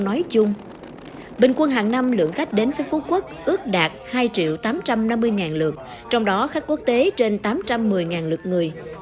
nói chung bình quân hàng năm lượng khách đến với phú quốc ước đạt hai triệu tám trăm năm mươi lượt trong đó khách quốc tế trên tám trăm một mươi lượt người